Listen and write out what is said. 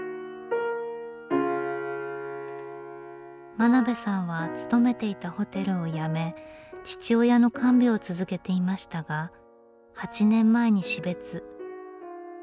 真鍋さんは勤めていたホテルを辞め父親の看病を続けていましたが８年前に死別。